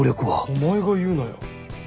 お前が言うなよ。